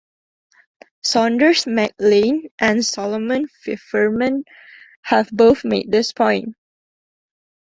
Saunders Mac Lane and Solomon Feferman have both made this point.